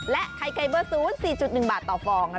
ไข่ไก่เบอร์๐๔๑บาทต่อฟอง